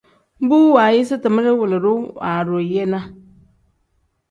Bu waayisi timere wilidu waadu yi ne.